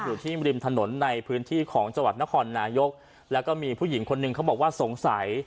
อยู่ที่ริมถนนในพื้นที่ของจังหวัดนครนายกแล้วก็มีผู้หญิงคนหนึ่งเขาบอกว่าสงสัย